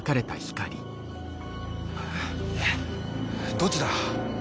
どっちだ？